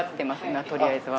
今とりあえずは。